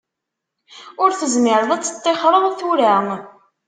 Ur tezmireḍ ad teṭṭixreḍ tura.